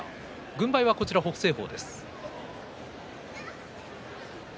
軍配は北青鵬です。